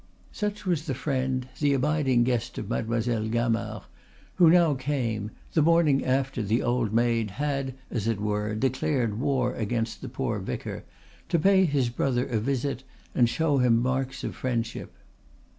Such was the friend, the abiding guest of Mademoiselle Gamard, who now came, the morning after the old maid had, as it were, declared war against the poor vicar, to pay his brother a visit and show him marks of friendship.